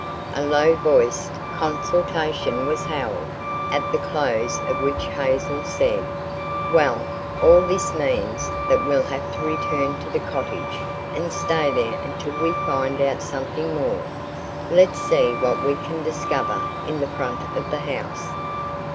A low voiced consultation was held, at the close of which Hazel said: "Well, all this means that we'll have to return to the cottage and stay there until we find out something more. Let's see what we can discover in the front of the house."